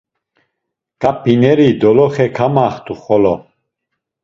K̆ap̌ineri doloxe kamaxt̆u xolo.